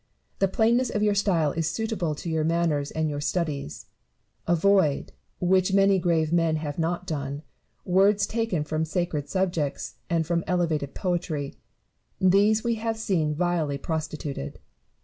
The plainness of your style is suitable to your manners and your studies. Avoid, which many grave men have not done, words taken from sacred subjects and from elevated poetry ; these we have seen vilely prostituted.